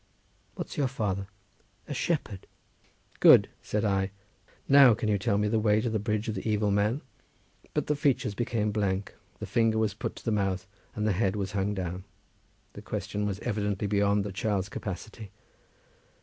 "What's your father?" "A shepherd." "Good," said I. "Now can you tell me the way to the bridge of the evil man?" But the features became blank, the finger was put to the mouth, and the head was hung down. That question was evidently beyond the child's capacity.